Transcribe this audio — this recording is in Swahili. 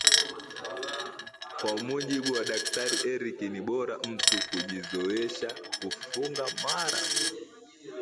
Kwa mujibu wa daktari Eric ni bora mtu kujizoezesha kufunga mara